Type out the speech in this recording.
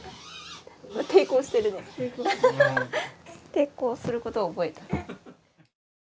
抵抗することを覚えた。